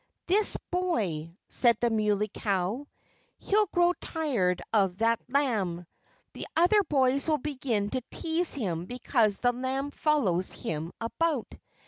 "This boy," said the Muley Cow, "he'll grow tired of that lamb. The other boys will begin to tease him because the lamb follows him about.